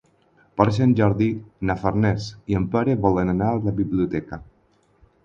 Per Sant Jordi na Farners i en Pere volen anar a la biblioteca.